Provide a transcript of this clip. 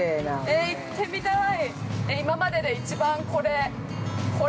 ◆えーっ、行ってみたい。